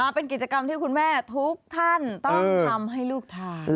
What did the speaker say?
เป็นกิจกรรมที่คุณแม่ทุกท่านต้องทำให้ลูกทาน